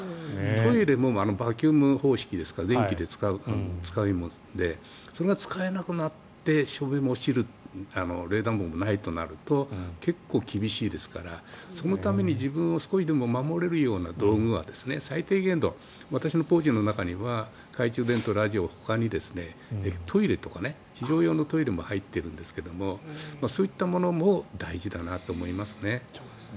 トイレもバキューム方式ですから電気で使うのでそれが使えなくなって照明も落ちる冷暖房もないとなると結構厳しいですからそのために自分を少しでも守れるような道具は最低限度私のポーチの中には懐中電灯、ラジオほかにトイレとか非常用のトイレも入ってるんですけどそういったものも大事だなと思います。